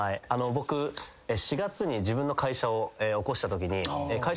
僕４月に自分の会社を起こしたときに。